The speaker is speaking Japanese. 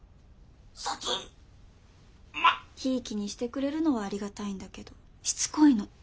ひいきにしてくれるのはありがたいんだけどしつこいの。